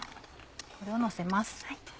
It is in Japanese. これをのせます。